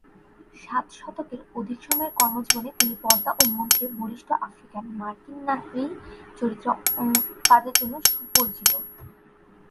সাত দশকের অধিক সময়ের কর্মজীবনে তিনি পর্দা ও মঞ্চে বলিষ্ঠ আফ্রিকান-মার্কিন নারী চরিত্রে কাজের জন্য সুপরিচিত।